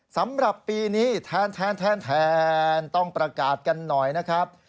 สำหรับปีนี้แทนต้องประกาศกันหน่อยนะครับ